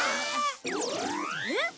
えっ？